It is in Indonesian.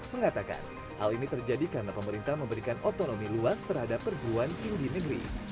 mengatakan hal ini terjadi karena pemerintah memberikan otonomi luas terhadap perguruan tinggi negeri